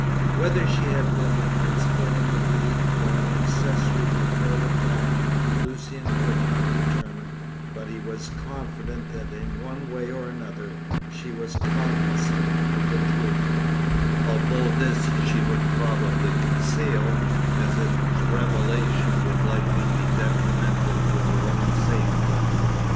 Whether she had been the principal in the deed, or an accessory before the fact, Lucian could not determine; but he was confident that in one way or another she was cognizant of the truth; although this she would probably conceal, as its revelation would likely be detrimental to her own safety.